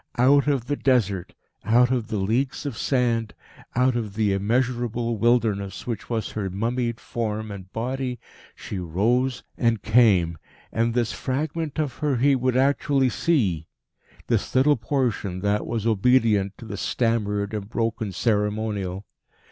Out of the Desert, out of the leagues of sand, out of the immeasurable wilderness which was her mummied Form and Body, she rose and came. And this fragment of her he would actually see this little portion that was obedient to the stammered and broken ceremonial.